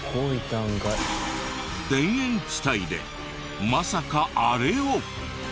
田園地帯でまさかあれを。